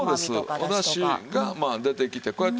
おだしが出てきてこうやって。